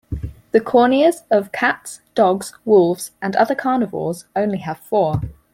The corneas of cats, dogs, wolves, and other carnivores only have four.